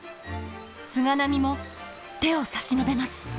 菅波も手を差し伸べます。